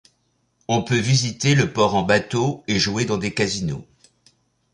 On peut visiter le port en bateau et jouer dans des casinos.